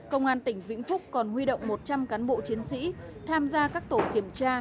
công an tỉnh vĩnh phúc còn huy động một trăm linh cán bộ chiến sĩ tham gia các tổ kiểm tra